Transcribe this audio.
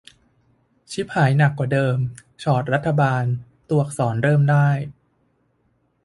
ฉิบหายหนักกว่าเดิม ฉอดรัฐบาล ตัวอักษร เริ่มได้